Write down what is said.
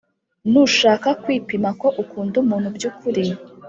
Nushaka kwipima ko ukunda umuntu byukuri